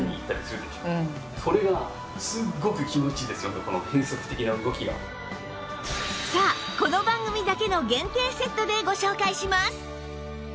今ではなんとそれがさあこの番組だけの限定セットでご紹介します！